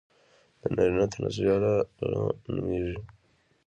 د نارينه تناسلي اله، غيڼ نوميږي.